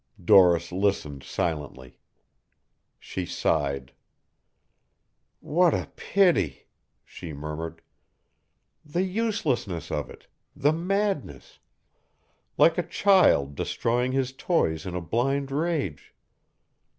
Doris listened silently. She sighed. "What a pity," she murmured. "The uselessness of it, the madness like a child destroying his toys in a blind rage.